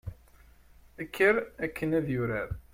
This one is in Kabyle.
kker akken ad yurar